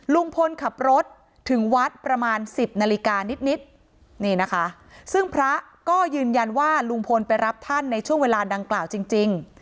ลุงพลขับรถถึงวัดประมาณ๑๐นาฬิกานิดนี่นะคะซึ่งพระก็ยืนยันว่าลุงพลไปรับท่านในช่วงเวลาดังกล่าวจริง